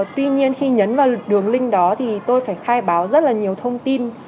tuy nhiên khi nhấn vào đường link đó thì tôi phải khai báo rất là nhiều thông tin